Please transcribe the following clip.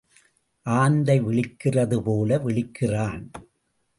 ஆந்தை விழிக்கிறது போல விழிக்கிறான்.